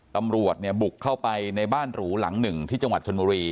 ตำรวจเนี่ยบุกเข้าไปในบ้านหรูหลังหนึ่งที่จังหวัดชนบุรี